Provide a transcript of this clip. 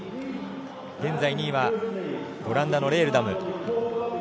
現在２位はオランダのレールダム。